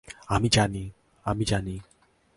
আমি জানি, আমি জানি।